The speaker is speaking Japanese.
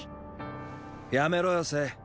やめろよ政。